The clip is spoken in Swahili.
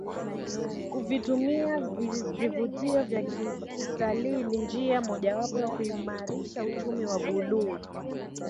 kuvitumia vivutio vya kitalii ni njia moja wapo ya kuimarisha uchumi wa Buluu